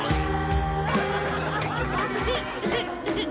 อ้าวสงสัยน้อง